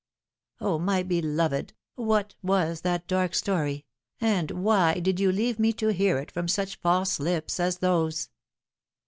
" O, my beloved ! what was that dark story, and why did you leave me to hear it from such false lips as those